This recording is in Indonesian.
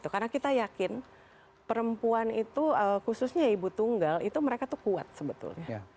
karena kita yakin perempuan itu khususnya ibu tunggal itu mereka tuh kuat sebetulnya